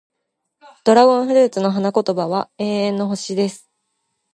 ドラゴンフルーツの花言葉は、永遠の星、です。